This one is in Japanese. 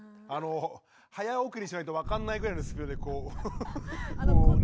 早送りしないと分かんないぐらいのスピードでこうこうね。